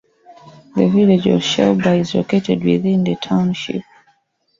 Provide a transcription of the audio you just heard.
The village of Shelby is located within the township.